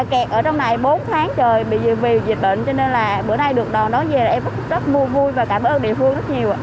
kẹt ở trong này bốn tháng trời vì dịch bệnh cho nên là bữa nay được đón nói về là em rất vui và cảm ơn địa phương rất nhiều